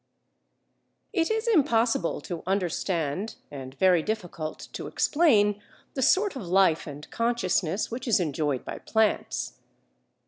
It is impossible to understand and very difficult to explain the sort of life and consciousness which is enjoyed by plants.